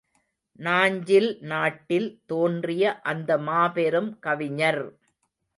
நாஞ்சில் நாட்டில் தோன்றிய அந்த மாபெரும் கவிஞர்.